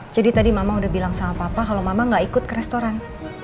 jadi tadi mama udah bilang sama papa kalau mama gak ikut ke restoran